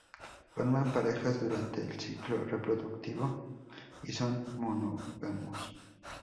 Forman parejas durante el ciclo reproductivo y son monógamos.